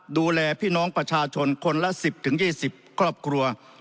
ดูแลพี่น้องประชาชนคนละ๑๐๒๐ครอบครัว